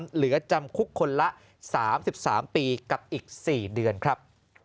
เหลือจำคุกคนละ๓๓ปีกับอีก๔เดือนครับ